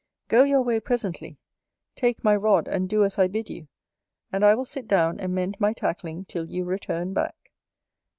Go your way presently; take my rod, and do as I bid you; and I will sit down and mend my tackling till you return back.